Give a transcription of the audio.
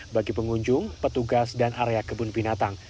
bagi pengunjung petugas dan area kebun binatang